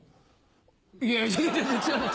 いやいや違います